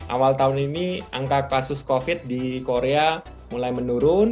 awal tahun ini angka kasus covid di korea mulai menurun